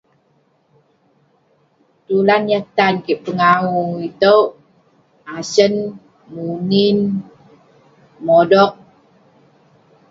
Tulan yah tan kek pengawu itouk ; asen, munin, modog.